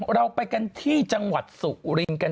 เราไปกันที่จังหวัดสุรินทร์กัน